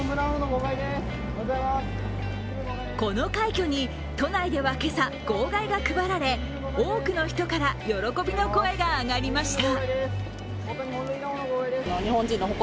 この快挙に、都内では今朝、号外が配られ多くの人から喜びの声が上がりました。